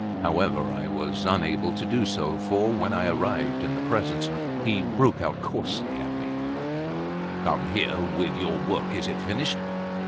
However, I was unable to do so; for when I arrived in the presence, he broke out coarsely at me: "Come here with your work; is it finished?"